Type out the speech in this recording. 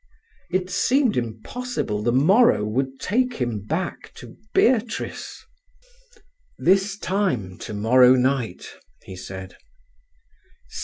It seemed impossible the morrow would take him back to Beatrice. "This time tomorrow night," he said.